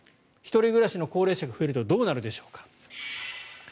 １人暮らしの高齢者が増えるとどうなるでしょうか。